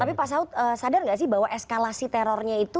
tapi pak saud sadar nggak sih bahwa eskalasi terornya itu